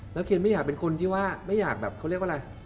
แล้วเคนไม่อยากเป็นคนที่ว่าไม่อยากแบบเขาเรียกว่าอะไร